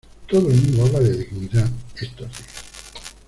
Todo el mundo habla de dignidad, estos días.